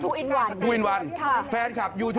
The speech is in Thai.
ก็ตอบได้คำเดียวนะครับ